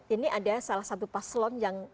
ini ada salah satu paslon yang